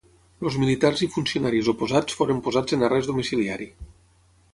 Els militars i funcionaris oposats foren posats en arrest domiciliari.